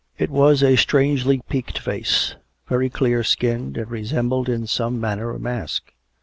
It was a strangely peaked face, very clear skinned, and resembled in some manner a mask.